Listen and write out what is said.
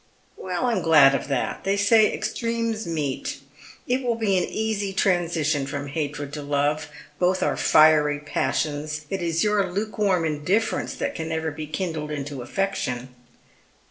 " I am glad of that. They say extremes meet. It will be an easy transition from hatred to love ; both are fiery passions. It is your lukewarm indifference that can never be kindled into affection."